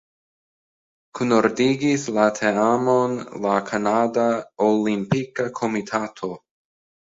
Kunordigis la teamon la Kanada Olimpika Komitato.